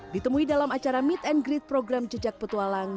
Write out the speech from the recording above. ditemui dalam acara meet and greet program jejak petualang